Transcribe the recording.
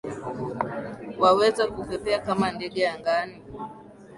Waweza kupepea kama ndege angani?